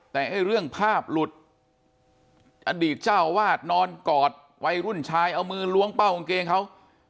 แต่ไอ้เรื่องภาพหลุดอดีตเจ้าวาดนอนกอดวัยรุ่นชายเอามือล้วงเป้ากางเกงเขา